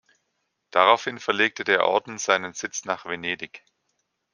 Daraufhin verlegte der Orden seinen Sitz nach Venedig.